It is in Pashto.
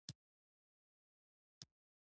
ستاسو ټکټونه مو مخکې تر مخکې اخیستي.